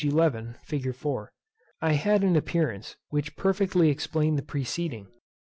11. fig. 4.) I had an appearance which perfectly explained the preceding.